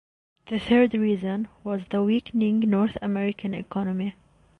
The third reason was the weakening North American economy.